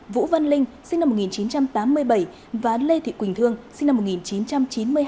vũ văn linh sinh năm một nghìn chín trăm tám mươi bảy và lê thị quỳnh thương sinh năm một nghìn chín trăm chín mươi hai